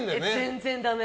全然ダメ。